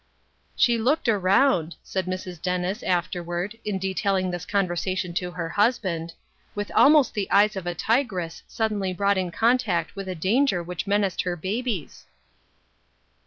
" She looked around, " said Mrs. Dennis after ward, in detailing this conversation to her hus band, "with almost the eyes of a tigress suddenly brought in contact with a danger which menaced her babies."